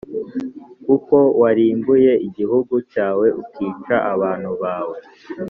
kuko warimbuye igihugu cyawe ukica abantu bawe.